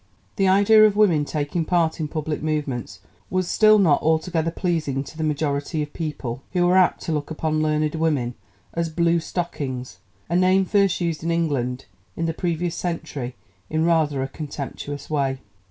The idea of women taking part in public movements was still not altogether pleasing to the majority of people, who were apt to look upon 'learned' women as 'Blue stockings,' a name first used in England in the previous century in rather a contemptuous way.